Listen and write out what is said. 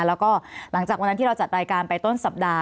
แล้วก็หลังจากวันนั้นที่เราจัดรายการไปต้นสัปดาห